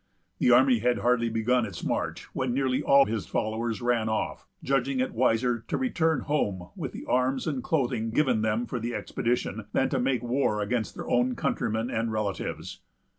The army had hardly begun its march, when nearly all his followers ran off, judging it wiser to return home with the arms and clothing given them for the expedition, than to make war against their own countrymen and relatives.